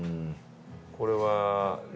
これは。